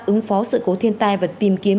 ứng phó sự cố thiên tai và tìm kiếm